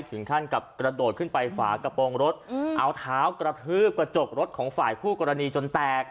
ถึงขั้นกับกระโดดขึ้นไปฝากระโปรงรถเอาเท้ากระทืบกระจกรถของฝ่ายคู่กรณีจนแตก